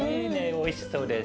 おいしそうです。